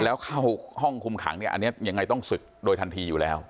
แล้วเข้าห้องคุมขังเนี่ยอันนี้ยังไงต้องศึกโดยทันทีอยู่แล้ว